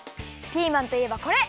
ピーマンといえばこれ！